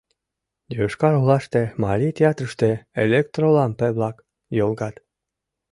Йошкар-Олаште, марий театрыште, электролампе-влак йолгат.